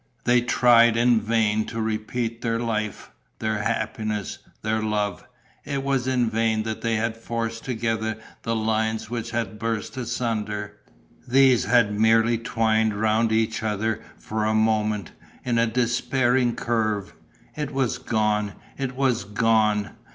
They tried in vain to repeat their life, their happiness, their love; it was in vain that they had forced together the lines which had burst asunder. These had merely twined round each other for a moment, in a despairing curve. It was gone, it was gone!...